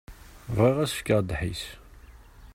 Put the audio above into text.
Bɣiɣ ad s-fkeɣ ddḥis.